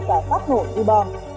và phát nổ u bò